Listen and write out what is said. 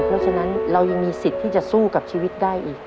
เพราะฉะนั้นเรายังมีสิทธิ์ที่จะสู้กับชีวิตได้อีก